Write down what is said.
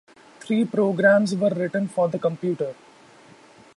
Three programs were written for the computer.